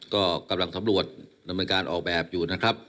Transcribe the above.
ก็กำลังสำรวจดำเนินการออกแบบอยู่นะครับ